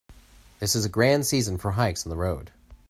This is a grand season for hikes on the road.